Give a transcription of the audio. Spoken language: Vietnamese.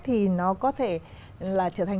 thì nó có thể là trở thành